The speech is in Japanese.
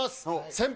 先輩！